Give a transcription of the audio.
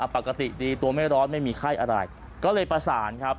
ปกติดีตัวไม่ร้อนไม่มีไข้อะไรก็เลยประสานครับ